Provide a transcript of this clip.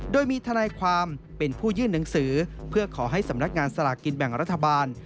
โดยมีทนายความเป็นผู้ยื่นหนังสือเพื่อขอให้สำนักงานสลากกินแบ่งรัฐบาล